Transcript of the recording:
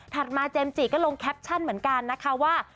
มาเจมส์จิก็ลงแคปชั่นเหมือนกันนะคะว่า